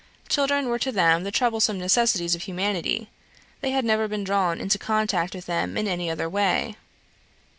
Children were to them the troublesome necessities of humanity; they had never been drawn into contact with them in any other way.